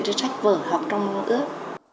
trên sách vở hoặc trong môn ước